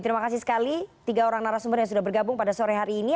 terima kasih sekali tiga orang narasumber yang sudah bergabung pada sore hari ini